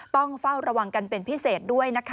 ต้องเฝ้าระวังกันเป็นพิเศษด้วยนะคะ